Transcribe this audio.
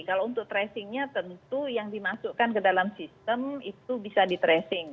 kalau untuk tracingnya tentu yang dimasukkan ke dalam sistem itu bisa di tracing